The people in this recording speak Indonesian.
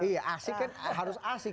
iya asik kan harus asik